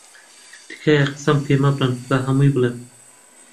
تکایە قسەم پێ مەبڕن، با هەمووی بڵێم.